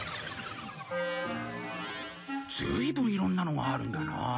ずいぶんいろんなのがあるんだなあ。